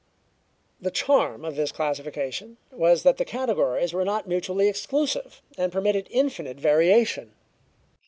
The charm of this classification was that the categories were not mutually exclusive, and permitted infinite variation.